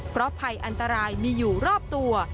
เพราะภัยอันตรายมีอยู่รอบตัว